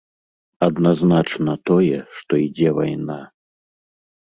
Адназначна тое, што ідзе вайна.